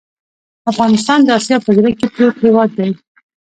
افغانستان د آسیا په زړه کې پروت هېواد دی.